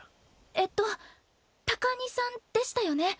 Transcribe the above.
えっと高荷さんでしたよね。